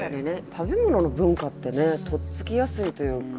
食べ物の文化ってねとっつきやすいというか。